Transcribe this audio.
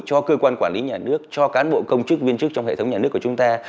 cho cơ quan quản lý nhà nước cho cán bộ công chức viên chức trong hệ thống nhà nước của chúng ta